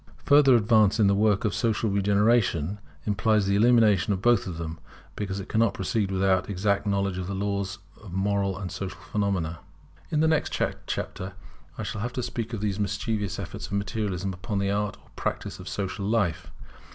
Further advance in the work of social regeneration implies the elimination of both of them, because it cannot proceed without exact knowledge of the laws of moral and social phenomena. In the next chapter I shall have to speak of the mischievous effects of Materialism upon the Art or practice of social life.